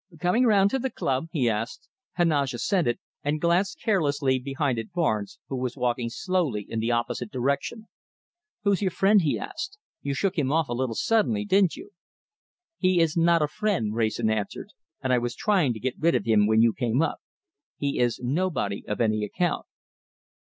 "Coming round to the club?" he asked. Heneage assented, and glanced carelessly behind at Barnes, who was walking slowly in the opposite direction. "Who's your friend?" he asked. "You shook him off a little suddenly, didn't you?" "He is not a friend," Wrayson answered, "and I was trying to get rid of him when you came up. He is nobody of any account."